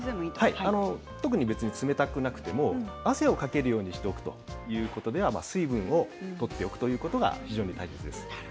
特に冷たくなくても汗をかけるようにしておくということでは水分をとっておくことが非常に大切です。